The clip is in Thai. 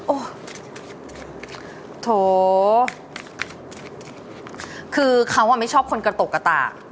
โอ้โหโถคือเขาไม่ชอบคนกระตกกระตาก